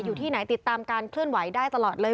อยู่ที่ไหนติดตามการเคลื่อนไหวได้ตลอดเลย